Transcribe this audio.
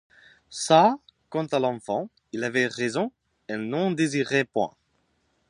Ça, quant à l'enfant, il avait raison, elle n'en désirait point.